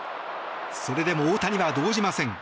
それでも大谷は動じません。